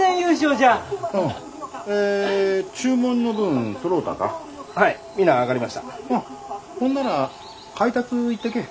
うんほんなら配達行ってけえ。